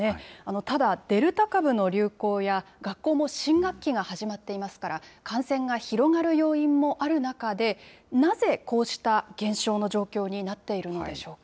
ただ、デルタ株の流行や、学校も新学期が始まっていますから、感染が広がる要因もある中で、なぜ、こうした現象の状況になっているのでしょうか。